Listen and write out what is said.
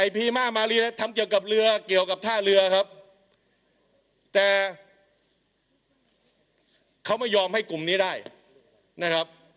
พีมารีทำเกี่ยวกับเรือเกี่ยวกับท่าเรือครับแต่เขาไม่ยอมให้กลุ่มนี้ได้นะครับ